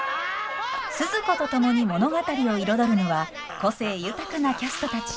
スズ子と共に物語を彩るのは個性豊かなキャストたち。